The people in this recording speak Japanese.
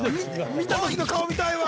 見た時の顔見たいわ。